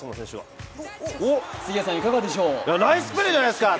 ナイスプレーじゃないですか！